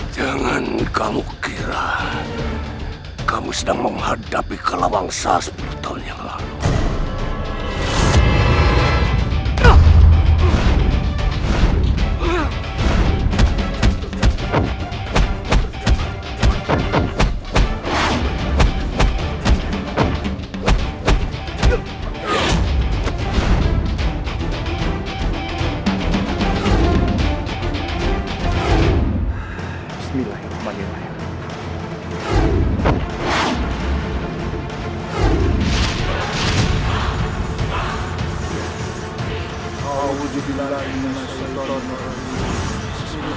jangan kamu kira kamu sedang menghadapi kalau bangsa sepuluh tahun yang lalu